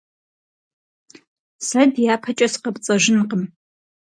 Сэ дяпэкӀэ сыкъэпцӀэжынкъым.